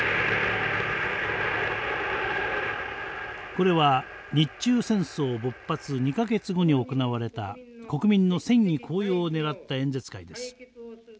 これは日中戦争勃発２か月後に行われた国民の戦意高揚をねらった演説会です。